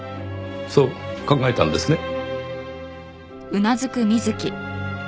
そう考えたんですね？